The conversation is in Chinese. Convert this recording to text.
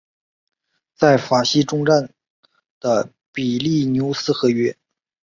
在法西终战的比利牛斯和约。